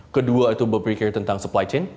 kedua itu berpikir tentang supply chain